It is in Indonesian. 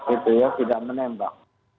itu ya tidak menembak